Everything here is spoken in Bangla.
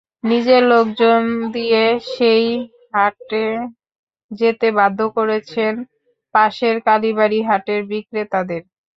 নিজের লোকজন দিয়ে সেই হাটে যেতে বাধ্য করছেন পাশের কালীবাড়ী হাটের বিক্রেতাদের।